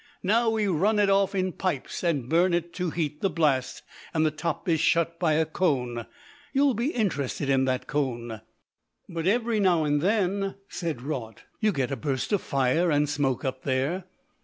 Now we run it off in pipes, and burn it to heat the blast, and the top is shut by a cone. You'll be interested in that cone." "But every now and then," said Raut, "you get a burst of fire and smoke up there."